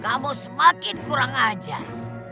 kamu semakin kurang ajar